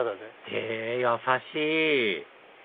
へぇ優しい